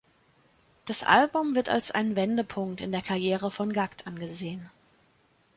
Das Album wird als ein Wendepunkt in der Karriere von Gackt angesehen.